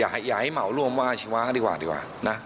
อยากให้เหมาร่วมว่าอาชีวะกันดีกว่าดีกว่านะ